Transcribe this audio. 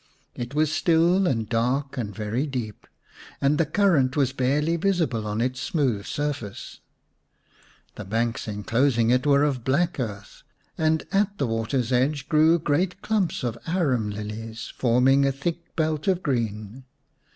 It was still and dark and very deep, and the current was barely visible on its smooth surface. The banks enclosing it were of black earth, and at the water's edge grew great clumps of arum lilies forming a thick belt of green.